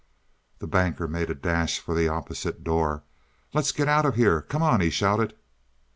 The Banker made a dash for the opposite door. "Let's get out of here. Come on!" he shouted.